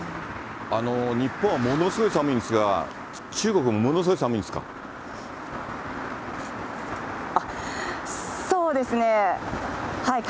日本はものすごい寒いんですが、中国もものすごい寒いんですか。